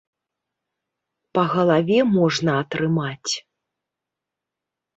Па галаве можна атрымаць.